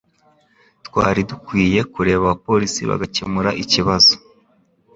Twari dukwiye kureka abapolisi bagakemura ikibazo